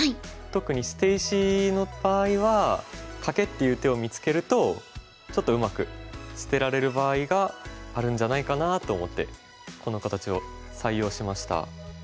特に捨て石の場合はカケっていう手を見つけるとちょっとうまく捨てられる場合があるんじゃないかなと思ってこの形を採用しました。